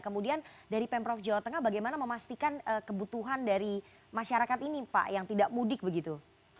kemudian dari pemprov jawa tengah bagaimana memastikan kebutuhan dari masyarakat ini pak yang tidak mudik begitu